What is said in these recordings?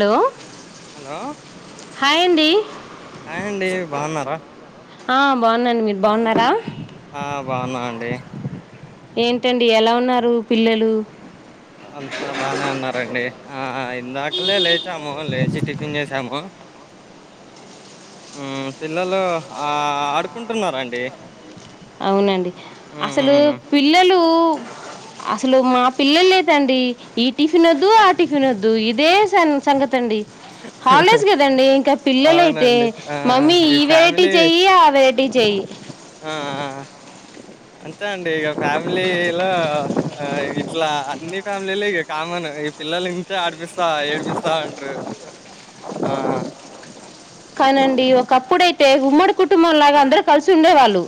Hello hello hi అండి బాగున్నారా ఆ బాగున్నాండి మీరు బాగున్నారా ఆ బాగున్నా అండి ఏంటండి ఎలా ఉన్నారు పిల్లలు అంతా బానే ఉన్నారండి ఆ ఇందాక లే లేచాము లే టిఫిన్ చేసాము పిల్లలు ఆ ఆడుకుంటున్నండి అవునండి అసలు పిల్లలు అసలు మా పిల్లలు లేదండి ఈ టిఫిన్ వద్దు ఆ టిఫిన్ వద్దు ఇదే సంగతి హాలిడేస్ కదండి ఇంకా పిల్లలయితే మమ్మీ ఈ వెరైటీ చెయయి ఆ వెరైటీ చెయి అంతే అండి ఇక ఫ్యామిలీలో ఇట్లా అన్ని ఫ్యామిలీలు ఇక కామన్ ఈ పిల్లలు ఇంతే ఆడిపిస్తా ఏడిపిస్తాంటారు. ఆ కానండి ఒకప్పుడైతే ఉమ్మడి కుటుంబం లాగా అందరు కలిసి చండే వాళ్ళు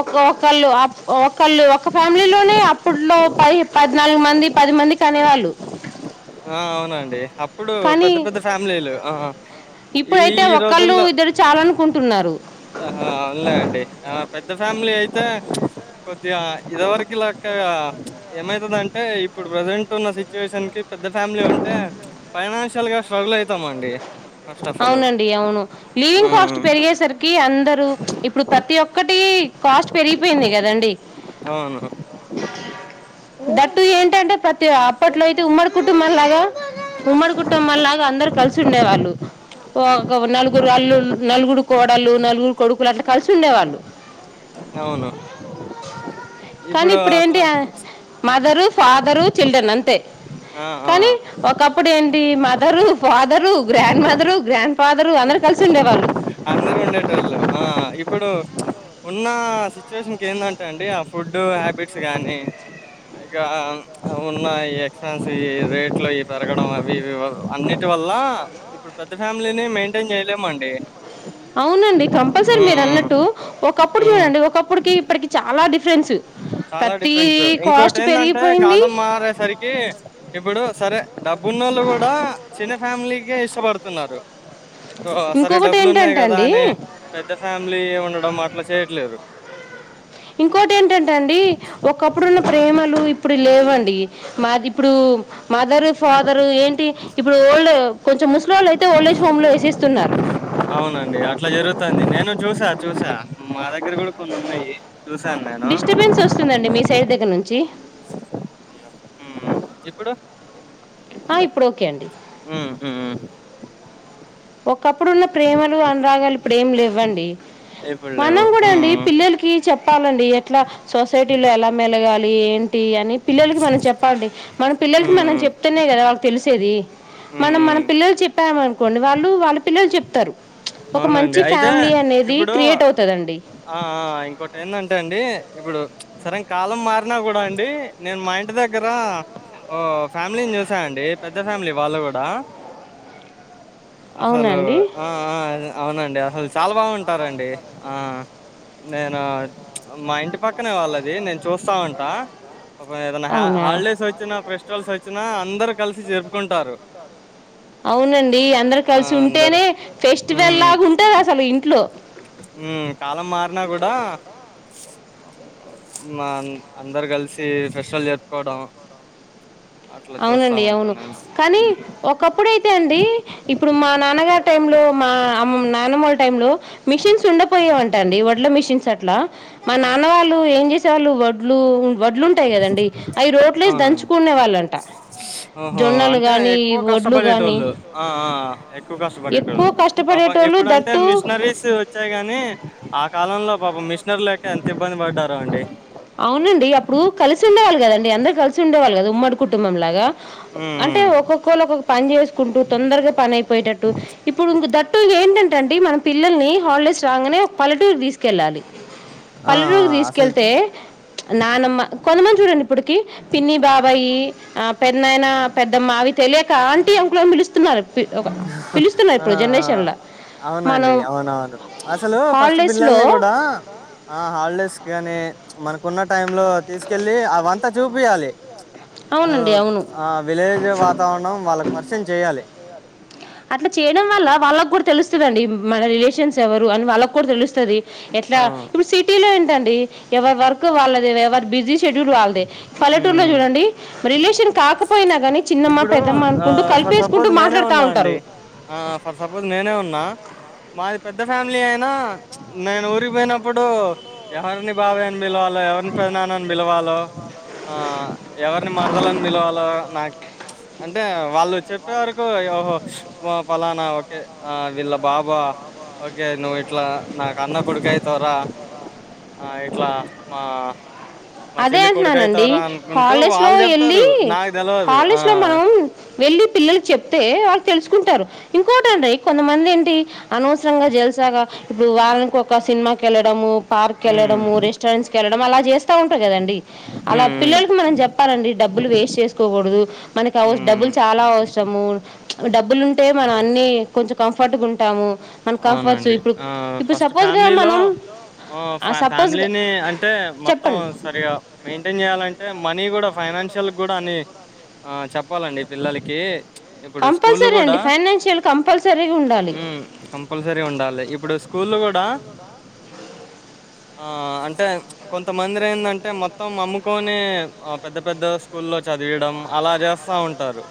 ఒకళ్ళు ఒకళ్ళు ఒక ఫ్యామిలీలోనే అప్పట్లో పది పద్నాలుగు మంది పది మంది కనేవాళ్ళు ఆ అవునండి ఇప్పుడు పెద్ద పెద్ద ఫ్యామిలీలు ఆ ఈ రోజుల్లో న్నారు హా అవునులే అండి పెద్ద ఫ్యామిలీ అయితే కొద్దిగా ఇదివరకు లక్క ఏమైతుందంటే. ఇప్పుడు ప్రసెంట్ ఉన్న సిచ్యువేషన్ కి పెద్ద ఫ్యామిలీ ఉంటే ఫైనాన్షియల్ గా స్ట్రగుల్ అయితామండి. అవునండి అవును లివింగ్ కాస్ట్ పెరిగేసరికి అందరు ఇప్పుడు ప్రతి ఒక్కటి కాస్ట్ పెరిగిపోయింది కదండి అవును థాట్ ట్టు ఏంటంటే ప్రతి అప్పట్లో అయితే ఉమ్మడి కుటుంబం లాగా ఉమ్మడి కుటుంబం లాగా అందరుూ కలిసి ఉండే వాళ్ళు నలుగురు అల్లు నలుగురు కోడళ్ళలు నలుగురు కొడుకు అప్పుడు అట కలిసి ఉండేవాళ్ళు అవును కానీ ఇప్పుడు ఏంటి ఆ మదరు ఫాదరు చిల్డ్రన్ అంతే కానీ ఒకప్పుడు and mother father grandmother grandfather అందరూ కలిసిండే వాళ్ళు అందరూ ఉండేటళ్ళు ఇప్పుడు ఉన్న సిచ్యువేషన్కి ఏందంటే అండి ఆ ఫుడ్ హ్యాబిట్స్ కాగానీ ఇక ఉన్న ఈ ఎక్స్పెన్స్ రేట్లు పెరగడం అవి ఇవి అన్నిటి వల్ల ఇప్పుడు పెద్ద ఫ్యామిలీని మెయింటైన్ చేయలేముండి అవునండి కంపల్సరీ మీరు అన్నట్టు ఒకప్పుడు చూడండి ఒకప్పుటికి ఇప్పటికి చాలా డిఫరెన్స్ చాలా డిఫరెన్స్ ఇంక్కొటి ఏంటంటే కాలం మారేసరికి ఇప్పుడు సరే డబ్బున్నోళ్ళు కూడా చిన్న ఫ్యామిలీకే ఇష్టపడుతున్నారు ఎక్కువ సరే డబ్బులు ఉన్నాయి కదా అని పెద్ద ఫ్యామిలీ ఉండడం అట్లా చేయట్లేదు ఇంక్కొటి ఏంటంట అండి ఒకప్పుడున్న ప్రేమలు ఇప్పుడు లేవండి మాది ఇప్పుడు మదరు ఫాదరు ఏంటి ఇప్పుడు ఓల్డ్ కొంచం ముస్ ముస్లోలు అయితే ఓల్డేజ్ హోమ్ లో వేసేస్తున్నారు చూసా చూసా మా ద డిస్టర్బెన్స్ వస్తుందండి మీ సైడ్ దగ్గర నుంచి యా హు ఇప్పుడు ఆ ఇప్పుడు ఓకే అండి ఉమ్ హుమ్ ఓకే ఒకప్పుడున్న ప్రేమలు అనురాగాలు ఇప్పుడు ఏం లేవండి మనం కూడా అండి పిల్లలకి చెప్పాలండి ఎట్లా సొసైటీలో ఎలా మెలగాలి ఇట్లా ఇ ఎన్ టీ అన్నీ పిల్లలకి మనం చెప్పాలండి మన పిల్లకి మనం చెప్తనే కదా వాళ్ళు తెలుసు తేది మనం మనం పిల్లలుకు చెప్పాం అనుకోండి వాళ్ళు వాళ్ళ పిల్లలకి చెప్తారు అవునండి అయితే ఇప్పుడు ఆ ఇంకోటి ఏందంటే అండి ఇప్పుడు సరే కాలం మారినా కూడా అండి నేను మా ఇంటి దగ్గర ఓ ఫ్యామిలీని చూసాను అండి పెద్ద ఫ్యామిలీ వాళ్ళు కూడా అసలు ఆ ఆ అవునండి అసలకు చాలా బాగుంటారండి ఆ నేనా మా ఇంటి పక్కనే వాళ్ళది నేను చూస్తామంట ఏదనా హాలిడేస్ వచ్చినా ఫెస్టివల్స్ వచ్చినా అందరు కలిసి జరుపుకుంటారు అవునండి అందరు కలిసి ఉంటేనే ఫెస్ట్ వెల్లాగా ఉంటె అసలు ఇంట్లో ఓ కాలం మారినా కూడా మా అందరు కలిసి ఫెషల్ జరుప్పుకోవడం అవునండి అవును కానీ ఒకప్పుడుైతే అండి ఇప్పుడు మా నాన్నగారి టైంలో మా అమ్మ నానమ్మల టైంలో మిషన్స్ ఉండపోయయావంట అండి వడ్ల మిషన్స్ అ మా నాన్న వాళ్ళు ఏం చేసేళ్ళు వడ్లు ఉ వడ్లు ఉంటాయి కదండి అవి రోట్లీవెసి దంచుకునే వాళ్ళు అంట ఆహో అంటే ఎక్కువ కష్టపడేటోళ్ళు ఆ ఆ ఎక్కువ కష్టపడేటోళ్ళు పాప ఇప్పుడుంటే మిషనరీస్ వచ్చాయి గాని ఆ కాలంలో పాపం మిషనరీ లేక ఎంత ఇబ్బంది పడ్డారుో అండి అవునండి అప్పుడు కలిసి ఉండేవాళ్ళు కదండి అందరు కలిసి ఉండేవాళ్ళ కదా అండి ఉమ్మడి కుటుంబం లాగా అంటే ఒక్కొక్కళ్ళు ఒక్కొక్క పని చేసుకుంటూ తొందరగా పని అయిపోయేటట్టు ఇప్పుడు ఇంక దట్టు ఏంటంటే ఏంటంటడి మన పిల్లల్ని హాలిడేస్ రాగానే ఒక పలటూరు తీసుకెళ్ళాలి పల్లె లోకి తీసుకెళ్తే నానమ్మ కొంతమంది చూడండి ఇప్పటికి పిన్ని బాబాయి ఆ పెన్నయనా పెద్దమ్మవి తెలియక ఆంటీ అంకుల్ అని పిలుస్తున్నారు ఆ అవునండి అవునవును అసలు ఫస్ట్ పిల్లల్ని కూడా ఆ హాలిడేస్ గానీ మనకున్న టై లో తీసుకెళ్ళి అవంతా చూపియాలి అసలు ఆ విలేజ్ వాతావరణం వాళ్ళకి పరిచయం చేయాలి అట్లా చేయడం వల్ల వాళ్ళకి కూడా తెలుస్తుందండి మన రిలేషన్స్ ఎవరు అని వాళ్ళకి కూడా తెలుస్తది ఎట్లా ఇప్పుడు సిటీలో ండి ఎవరు వర్క్ వాళ్ళదే ఎవరు బిజీ షెడ్యూల్ వాళ్ళదే పల్లెటూరులో చూడండి రిలేషన్ కాకపోయినా కానీ చిన్నమ్మా పెద్దమ్మ అనుకుంటూ కలిపేసుకుంటూ మాట్లాడుతా ఉంటారు మాది పెద్ద ఫ్యామిలీ అయినా నేను ఊరికిపోయినప్పుడు ఎవరిని బాబాయ్ అని పిలవాలో ఎవరిని పెదనాన అని పిలవాలో ఆ ఎవరిని మరదలు అని పిలవాళ్ళో ఆ అంటే వాళ్ళు చెప్పే వరకు ఓహో ఓ పలానా ఓకే ఆ వీళ్ళ బాబా ఓకే నువ్వు ఇట్లా నాకు అన్న కొడుకు అయితావ్ రా ఆ ఇట్లా మా అదే అంటున్నానండి హాలిడేస్ లో ఎల్ డి హాలిడేస్ లో మనం వెళ్ళి పిల్లలకు చెప్తే వాళ్ళు తెలుసు ఉంటారు ఇంకోటండి కొంతమంది ఏంటి అనవసరంగా జల్సాగా ఇప్పుడు వారానికి ఒక సినిమాకెళ్ళడము పార్కెళ్ళడము రెస్టారెంట్స్ కెళ్లడం అలా తా ఉంటా కదండి అలా పిళ్ళోలకి మనం చెప్పాలండి డబ్బులు వేస్ట్ చేసుకోకూడదు మనకి అవ్ డబ్బులు చాలా అవసరము డబ్బులుంటే మనం అన్నీ కొంచెం కంఫర్ట్గుంటాము అవునండి ఆ ఫస్ట్ ఫ్యామిలీలో ఆ ఫ్యామిలీని అంటే మ త్తం సరిగా మెయింటైన్ చెయ్యాలంటే మ అని కూడా ఫైనాన్షియల్ గ్గూడా అని ఆ చెప్పాలండి పిల్లలకి కంపల్సరీ అండి ఫైనాన్షియల్ కంపల్సరీ గుండాలి పల్సరీ ఉండాలి ఇప్పుడు స్కూళ్ళు కూడా ఆ అంటే కొంతమందిరి ఏందంటే మొత్తం అమ్ముకోని పెద్ద పెద్ద స్కూల్లో చదివియ్యడం అలా చేస్తా ఉంటారు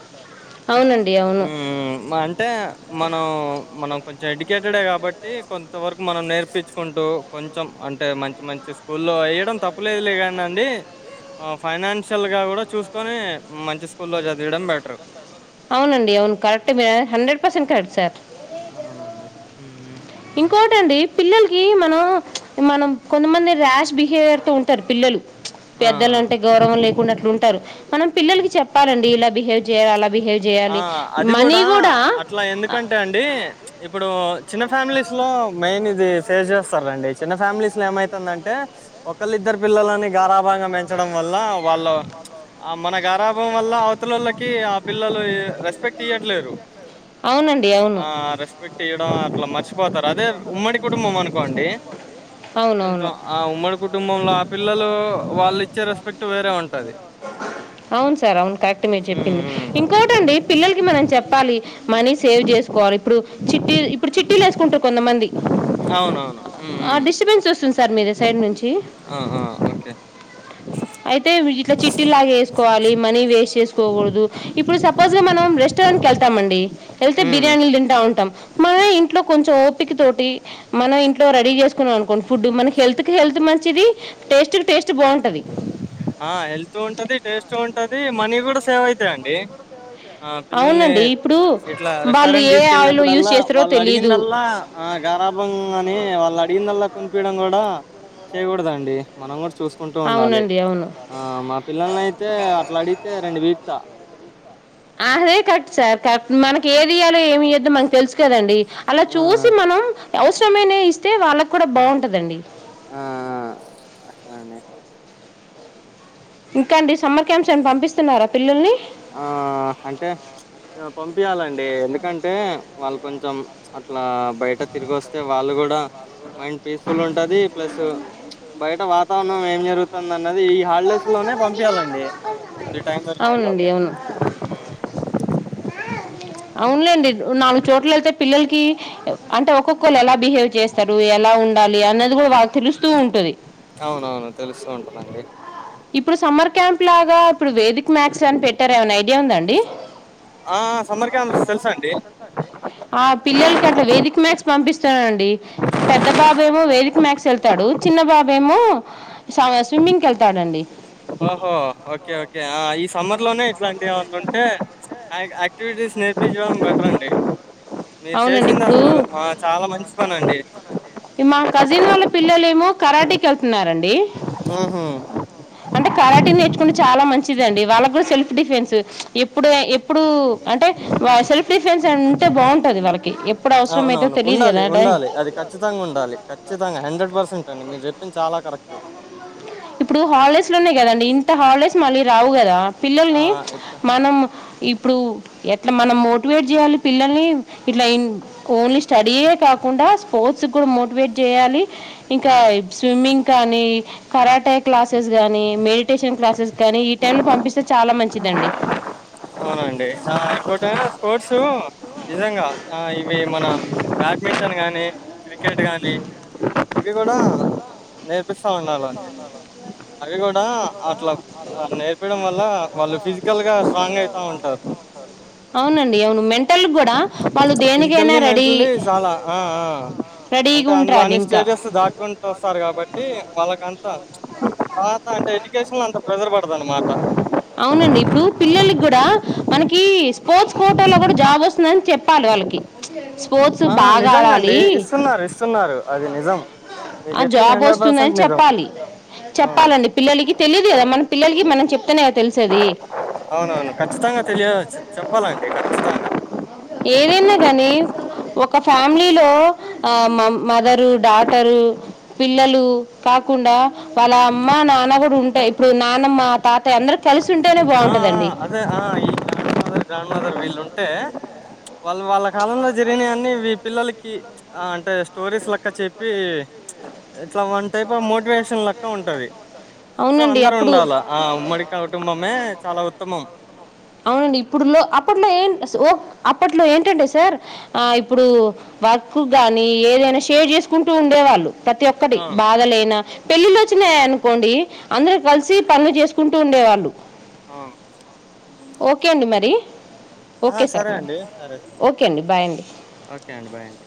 ఉమ్ మా అంటే మనం మన కొంచెం ఎడుకేటెడ్ ఏ కాబట్టి కొంతవరకు మనం నేర్పిచ్చుకుంటూ కొంచెం అంటే మంచి మంచి స్కూల్లో ఎయ్యడం తప్పులేదు లే కానీ అండి ఆ ఫైనాన్షియల్ గా కూడా చూసుకోని మంచి స్కూల్లో చదివియ్యం బెటరు అవునండి అవును కరెక్ట్ మీరు [inaudible] హండ్రెడ్ పర్సెంట్ కరెక్ట్ సార్ అవునండి ఊ ఊ ఇంకోటండి పిల్లలకి మనం మనం కొంతమంది ర్యాష్ బిహేవియర్ తో ఉంటారు పిల్లలు పెద్దలంటే గౌరవం లేకుండా అట్లుంటారు మనం పిల్లలకి చెప్పాలండి ఇలా బిహేవ్ చేయాలి అలా బహేవ్ ఆ అది కూడా అట్లా ఎందుకంటే అండి ఇప్పుడు చిన్న ఫ్యామిలీస్ లో మెయిన్ ఇది ఫేస్ చేస్తారండి చిన్న ఫ్యామిలీస్ లో ఏమైతుందంటే ఒకళ్ళిద్దరు పిళ్ళోలని గారాభాంగా పెంచడం వల్ల వాళ్ళు ఆ మన గారాభం వల్ల అవతలోళ్ళకి ఆ పిల్లలు [unintelligible] రస్పెక్ట్ ఇయ్యట్లేరు ఆ రెస్పెక్ట్ ఇయ్యడం అట్లా మర్చిపోతారు అదే ఉమ్మడి కుటుంబం అనుకోండి కొంచెం ఆ ఉమ్మడి కుటుంభం లో పిల్లలు వాళ్ళిచ్చే రెస్పెక్ట్ వేరే ఉం అవును సార్ అవును కరెక్ట్ మీరు చెప్పింది ఇంకోటి అండి పిల్లలకి మనం చెప్పాలి మనీ సేవ్ చేసుకోవాలి ఇప్పుడు చిట్టి ఇప్పుడు చిట్టీలేసుకుంటారు కొంతమంది ఆ డిస్టెబెన్స్ వస్తుంది సార్ మీది సైడ్ నుంచి అయితే ఇట్లా చిట్టీల్లాగ వేసుకోవాలి మనీ వేస్ట్ చేసుకోకూడదు ఇప్పుడు సపోస్ గా మనం రెస్టారెంట్ కెళ్తామండి వెళ్తే బిర్యానీలు తింటా ఉంటాం మనమే ఇంట్లో కొంచెం ఓ టికి తోటి మనం ఇంట్లో రెడీ చేసుకున్నాం అనుకోండి ఫుడ్ మనకి హెల్త్ కి హెల్త్ మంచిది టేస్ట్ కి టేస్ట్ బావుంటది ఆ హెల్తూ ఉంటది టేస్టూ ఉంటది మనీ కూడా సేవ్ అయితాయండి ఆ పిల్లల్ని ఇట్లా రెస్టారెంట్ కి తీసుకెళ్ళినప్పుడల్లా వాళ్ళు అడిగిందల్లా ఆ గారాభం అని వాళ్ళు అడిగిందల్లా కొనిపీయడం కూడా చేయకూడదండి మనం కూడా అవునండి అవును ఆ మా పిల్లల్ని అయితే అట్లా అడిగితే రెండు పీక్తా మనకి ఏదియాలి ఏమియొద్దు మకు తెలుసు కదండి అలా చూసి మనం అవసరమైనా ఇస్తే వాళ్ళకు కూడా బాగుంటందండి ఆ అట్లా అని ఇంకా అండి సమ్మర్ క్యాంప్స్ ఏమైన పంపిస్తున్నారా పిల్లల్ని పంపియ్యాలండి ఎందుకంటే వాళ్ళు కొంచెం అట్లా బయట తిరిగి వస్తే వాళ్ళు కూడా మైండ్ పీస్ఫుల్ ఉంటుంది ప్లస్ బయట వాతావరణం ఏం జరుగుతుంది అన్నది ఈ హాలిడేస్లోనే పంపియ్యాలండి అది టైం దొరికింది కాబ అవును అవునులేండి నాలుగు చోట్ల వెళ్తే పిల్లలకి అంటే ఒక్కొక్కళ్ళు ఎలా బిహేవ్ చేస్తారు ఎలా ఉండాలి అన్నది కూడా వాళ్ళ తెలుస్తూ ఉంటది ఉంటదండి ఇప్పుడు సమ్మర్ క్యాం లాగా ఇప్పుడు వేదిక్ మ్యాక్స్ అని పెట్టారు ఏమనా ఐడియా ఉందండి సమ్మర్ క్యాంప్స్ తెల్సాండి ఆ పిల్లలకి అట్లా వేదిక మ్యాథ్స్ పంపిస్తానండి పెద్ద బాబేమో వేదిక మ్యాథస్ వెళ్తాడు చిన్న బాబేమో సా స్విమ్మింగ్కి వెళ్తాడండి ఓహో ఓకే ఓకే ఆ ఈ సమ్మర్ ఇంట్లోనే ఇట్లాంటివి ఏమైన ఉంటే యాక్టివిటీస్ నేర్పించడం బెటరండి మీరు చేసింది అసలు చాలా మంచి పని అండి మా కజిన్ వాళ్ళ పిల్లలు ఏమో కరాటీకి వెళ్తున్నారండి ఉహు అంటే కరాటీ నేర్చుకుంటే చాలా మంచిదండి వాళ్ళకు కూడా సెల్ఫ్ డిఫెన్స్ ఎప్పుడు ఎప్పుడు అంటే సెల్ఫ్ డిఫెన్స్ అంటే బాగుం అవునవును ఉండాలి ఉండాలి అది ఖచ్చితంగా ఉండాలి ఖచ్చితంగా హండ్రెడ్ పర్సెంట్ డి మీరు చెప్పింది చాలా కరెక్ట్ ఇప్పుడు హాలిడేస్ లోనే కదండి ఇంత హాలిడేస్ మళ్ళీ రావు కదా పిల్లల్ని మనం ఇప్ ఇప్పుడు ఎట్లా మనం మోటివేట్ చేయాలి పిల్లల్ని ఇట్లా ఓన్లీ స్టడీయే కాకుండా స్పోర్ట్స్కి కూడా మోటివేట్ చేయాలి ఇంకా స్విమ్మింగ్ కానీ కరాటే క్లాసెస్ గానీ మెడిటేషన్ క్లాసెస్ గానీ ఈ టైమ్ లో పంపిస్ అవునండి ఇకోటేమో కోడ్స్ డు నిజంగా ఆ ఇ ఈ మన బ్యాడ్మింటన్ గానీ క్రికెట్ గానీ ఇవి కూడా నే పిస్తా ఉండలండి ఇవి కూడా అట్లా నేర్పడం వల్ల అవునండి అవున్ వుమెన్ ఫిజికల్లీ మెంటల్లీ చాలా ఆ అ అంటే అందుర్ అన్ని స్టేజెస్ నుంచి దాటుకుంటూ వస్తారు కాబట్టి అవునండి ఇప్పుడు పిల్లలకి గూడ మనకి స్పోర్ట్స్ కోటర్ లో కూడ జాబ్ వస్తుందని చెప్పాలి వాళ్ళకి ఆ నిజంగా అండి ఇస్తున్నారు ఇస్తున్నారు అది నిజం మీరు చెప్పింది హండ్రెడ్ పర్సెంట్ నిజం చెప్పాలండి పిల్లలకి తెలియదు కదా మనం పిల్లలకి మనం చెప్తేనే కదా తెలిసేది ఏదైనా గానీ ఒక ఫ్యామిలీలో మ మదరు డాటరు పిల్లలు కాకుండా వాళ్ళ అమ్మ నాన్న గుడ ఉం ఇప్పుడు నానమ్మ తాతయ్య అందర్ ఆ ఆ అదే ఆ ఈ గ్రాండ్ గ్రాండ్ మదర్ వీళ్ళు ఉంటే వాళ్ళ వాళ్ళ కాలంలో జరిగినవివన్ని ఈ పిల్లలకి ప్చ్ ఆ అంటే స్టోరీస్ లెక్క చెప్పీ ప్చ్ ఇట్లా వన్ టైప్ ఆఫ్ మోటివేషన్ లెక్క ఉంటది సో అందరు ఉండాలి ఆ మడికా అవునండి ఇప్పుడులో అప్పట్లో ఏం అప్పట్లో ఏంటంటే సార్ ఆ ఇప్పుడు వర్క్ గాని ఏదైనా షేర్ చేసుకుంటూ ఉండే వాళ్ళు ప్రతి ఒక్క బాధలేన పెళ్ళిళ్లు వచ్చినాయ్ అనుకోండి అందరు కలిసి పనులు చేసుకుం ఉండేవాళ్ళు ఆ ఓకే అండి మరి ఆ సరే అండి సరే సరే సరే ఓకే అండి బాయ్ అండి